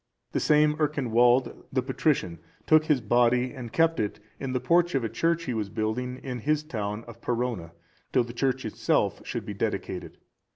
The same Ercinwald, the patrician, took his body, and kept it in the porch of a church he was building in his town of Perrona,(392) till the church itself should be dedicated.